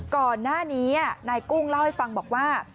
ก่อนหน้านี้นายกุ้งเล่าให้ฟังบอกว่า